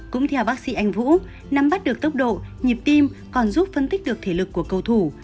cũng theo bác sĩ anh vũ nắm bắt được tốc độ nhịp tim còn giúp phân tích được thể lực của cầu thủ